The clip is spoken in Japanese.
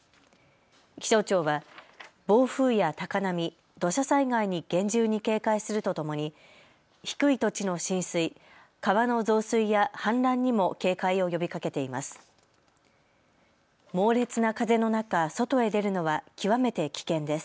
気象庁は暴風や高波、土砂災害に厳重に警戒するとともに、低い土地の浸水、川の増水や氾濫にも警戒を呼びかけています。